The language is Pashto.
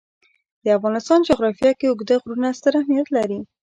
د افغانستان جغرافیه کې اوږده غرونه ستر اهمیت لري.